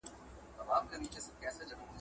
د افغانستان تاریخ زموږ ګډه شتمني ده.